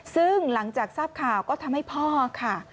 ซึ่งหลังจากทราบข่าวก็ทำให้พ่อค่ะ